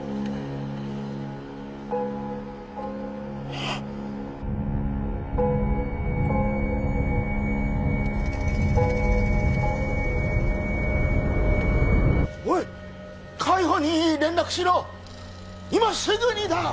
はっおいっ海保に連絡しろ今すぐにだ！